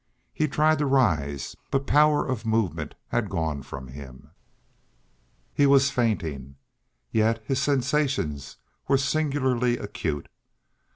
He tried to rise, but power of movement had gone from him. He was fainting, yet his sensations were singularly acute.